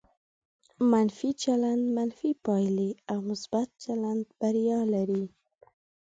منفي چلند منفي پایله او مثبت چلند بریا لري.